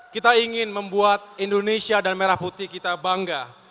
kita ingin membuat indonesia dan merah putih kita bangga